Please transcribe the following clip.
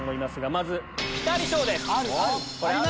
まずピタリ賞です。